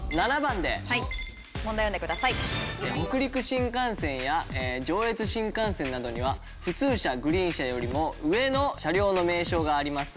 北陸新幹線や上越新幹線などには普通車グリーン車よりも上の車両の名称があります。